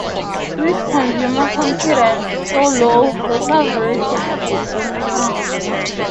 With consumer confidence so low, recovery takes a long time.